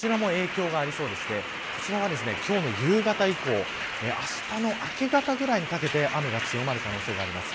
こちらも影響がありそうで今日の夕方以降あしたの明け方ぐらいにかけて雨が強まる可能性があります。